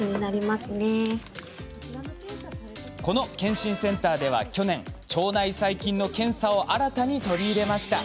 この健診センターでは去年、腸内細菌の検査を新たに取り入れました。